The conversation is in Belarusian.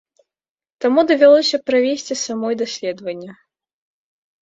Таму давялося правесці самой даследаванне.